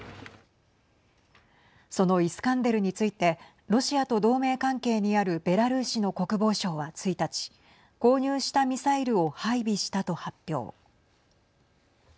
そのイスカンデルについてロシアと同盟関係にあるベラルーシの国防省は１日購入したミサイルを配備したと発表。